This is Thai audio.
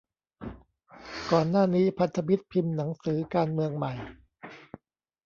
ก่อนหน้านี้ พันธมิตรพิมพ์หนังสือ 'การเมืองใหม่